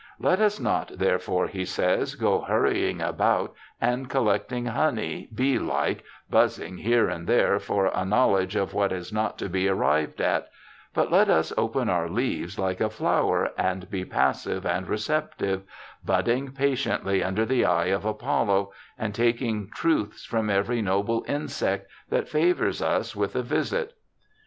' Let us not, therefore,' he says, 'go hurrying about and collecting honey, bee like buzzing here and there for a knowledge of what is not to be arrived at, but let us open our leaves like a flower, and be passive and receptive, budding patiently under the eye of Apollo, and taking truths from every noble insect that favours us with a visit.'